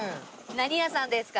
何屋さんですか？